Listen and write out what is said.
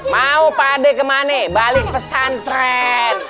mau pade ke mana balik pesan tren